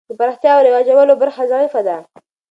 د پراختیا او رواجول برخه ضعیفه ده.